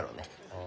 あ。